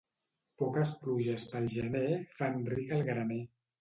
Poques pluges pel gener fan ric el graner.